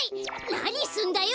なにすんだよ！